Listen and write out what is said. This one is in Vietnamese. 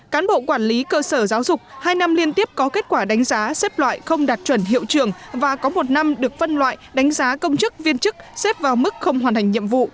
cán bộ quản lý cơ sở giáo dục hai năm liên tiếp có kết quả đánh giá xếp loại không đạt chuẩn hiệu trường và có một năm được phân loại đánh giá công chức viên chức xếp vào mức không hoàn thành nhiệm vụ